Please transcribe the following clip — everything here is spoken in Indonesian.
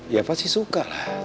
ya pasti suka lah